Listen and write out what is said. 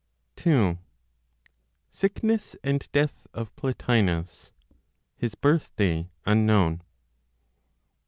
II. SICKNESS AND DEATH OF PLOTINOS; HIS BIRTHDAY UNKNOWN.